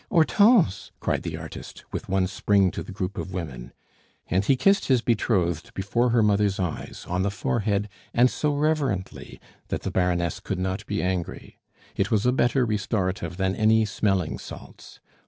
"Hortense!" cried the artist, with one spring to the group of women. And he kissed his betrothed before her mother's eyes, on the forehead, and so reverently, that the Baroness could not be angry. It was a better restorative than any smelling salts.